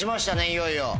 いよいよ。